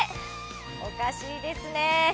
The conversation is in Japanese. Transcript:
おかしいですね。